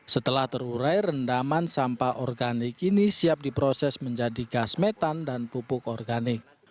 setelah terurai rendaman sampah organik ini siap diproses menjadi gas metan dan pupuk organik